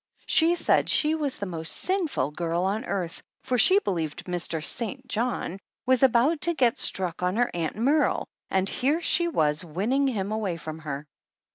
She said she was the most sinful girl on earth, for she believed Mr. St. John was about to get struck on her Aunt Merle, and here she was winning him away from her